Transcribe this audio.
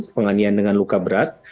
penganian dengan luka berat